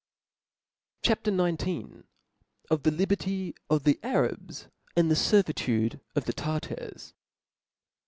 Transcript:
o* CHAP. XIX. Of the Liberty of the Arabs, and the Ser vitude of the Tartars.